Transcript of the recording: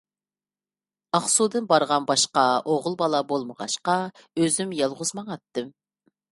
ئاقسۇدىن بارغان باشقا ئوغۇل بالا بولمىغاچقا، ئۆزۈم يالغۇز ماڭاتتىم.